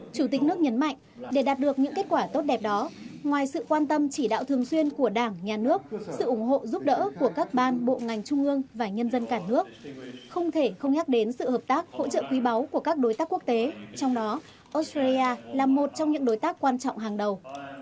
chủ tịch nước nhấn mạnh để đạt được những kết quả tốt đẹp đó ngoài sự quan tâm chỉ đạo thường xuyên của đảng nhà nước sự ủng hộ giúp đỡ của các ban bộ ngành trung ương và nhân dân cả nước không thể không nhắc đến sự hợp tác hỗ trợ quý báu của các đối tác quốc tế trong đó australia là một trong những đối tác quan trọng hàng đầu